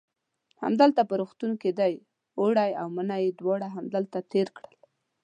همدلته په روغتون کې دی، اوړی او منی یې دواړه همدلته تېر کړل.